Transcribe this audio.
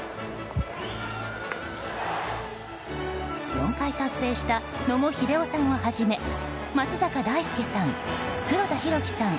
４回達成した野茂英雄さんをはじめ松坂大輔さん、黒田博樹さん